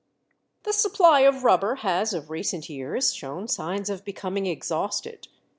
The supply of rubber has of recent years shown signs of becoming exhausted.